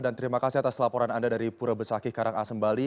dan terima kasih atas laporan anda dari purwabesakeh karangasem bali